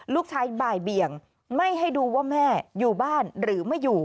ลูกชายบ่ายเบี่ยงไม่ให้ดูว่าแม่อยู่บ้านหรือไม่อยู่